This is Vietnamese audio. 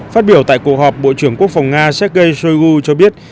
phát biểu tại cuộc họp bộ trưởng quốc phòng nga sergei shoigu cho biết